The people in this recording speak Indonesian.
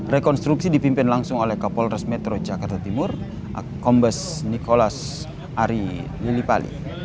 rekonstruksi dipimpin langsung oleh kapolres metro jakarta timur kombes nikolas ari lilipali